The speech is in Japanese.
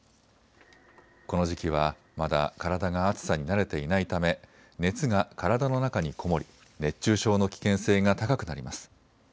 この時期はまだ体が暑さに慣れていないため熱が体の中に籠もり熱中症の危険性が高くなります。